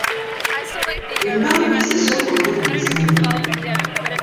Bwemba nkuyise sooka ove ku muzannyo gwo